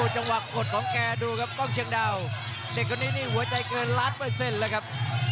จังหวัดกดของแกดูครับกล้องเชียงดาวเด็กคนนี้นี่หัวใจเกินล้านเปอร์เซ็นต์เลยครับ